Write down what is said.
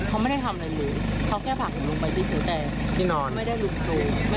แล้วก็กลับมาเหมือนว่าเขารู้กันกับแฟนหนูอ่ะ